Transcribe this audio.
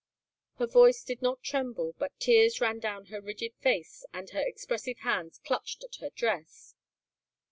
Her voice did not tremble but tears ran down her rigid face and her expressive hands clutched at her dress.